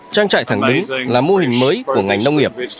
trang trại thẳng đứng là mô hình mới của ngành nông nghiệp